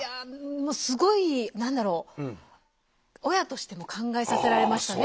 もうすごい何だろう親としても考えさせられましたね。